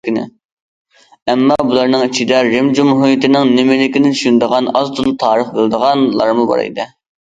ئەمما بۇلارنىڭ ئىچىدە رىم جۇمھۇرىيىتىنىڭ نېمىلىكىنى چۈشىنىدىغان، ئاز- تولا تارىخ بىلىدىغانلارمۇ بار ئىدى.